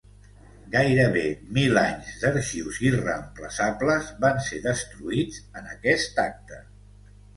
Gairebé mil anys d'arxius irreemplaçables van ser destruïts en aquest acte.